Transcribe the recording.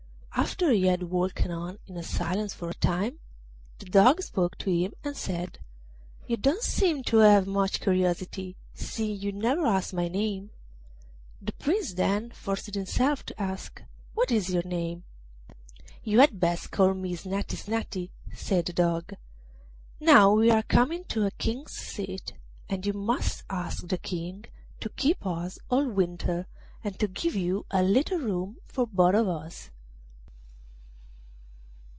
After he had walked on in silence for a time the Dog spoke to him and said: 'You don't seem to have much curiosity, seeing you never ask my name.' The Prince then forced himself to ask, 'What is your name?' 'You had best call me Snati Snati,' said the Dog. 'Now we are coming to a King's seat, and you must ask the King to keep us all winter, and to give you a little room for both of us.